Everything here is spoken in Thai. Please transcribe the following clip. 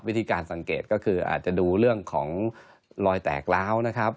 วิธีการสังเกตก็คืออาจจะดูเรื่องของรอยแตกร้าวนะครับ